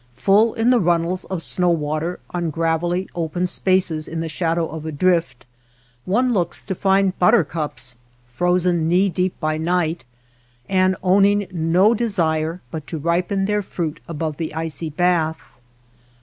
Full in the runnels of snow water on gravelly, open spaces in the shadow of a drift, one looks to find buttercups, frozen knee deep by night, and owning no desire but to ripen their fruit above the icy bath.